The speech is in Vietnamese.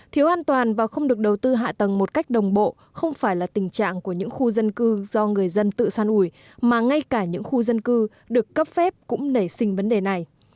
thiếu an toàn và không được đầu tư hạ tầng một cách đồng bộ không phải là tình trạng của những khu dân cư do người dân tự săn ủi mà ngay cả những khu dân cư được cấp phép cũng nảy sinh vấn đề này